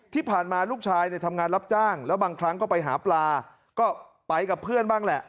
ที่ผ่านมาลูกชายเนี่ยทำงานรับจ้างแล้วบางครั้งก็ไปหาปลาก็ไปกับเพื่อนบ้างแหละ